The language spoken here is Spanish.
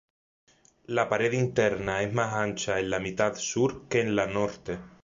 La pared interna es más ancha en la mitad sur que en la norte.